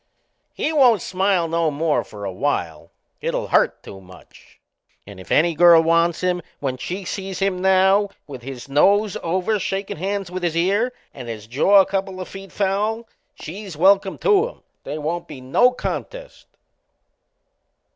He won't smile no more for a while it'll hurt too much. And if any girl wants him when she sees him now with his nose over shakin' hands with his ear, and his jaw a couple o' feet foul she's welcome to him. They won't be no contest!